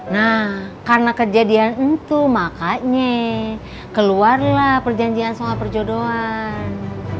nah karna kejadian itu makanya keluarlah perjanjian songap perjodohan